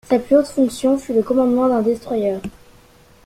Sa plus haute fonction fut le commandement d'un destroyer.